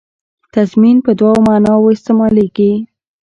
تضمین په دوو معناوو استعمالېږي.